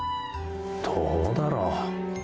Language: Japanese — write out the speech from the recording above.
どうだろ。